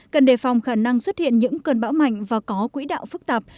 cần đề phòng khả năng xuất hiện những cơn bão mạnh và có quỹ đạo phức tạp